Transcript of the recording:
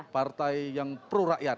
partai yang prorakyat